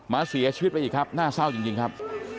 เสียชีวิตไปอีกครับน่าเศร้าจริงครับ